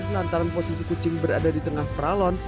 lantaran posisi kucing berada di tengah peralon